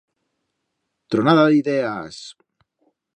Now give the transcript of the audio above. Tronada d'ideas!